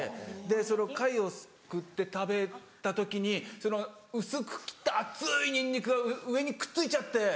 でそれを貝をすくって食べた時にその薄く切った熱いニンニクが上にくっついちゃって。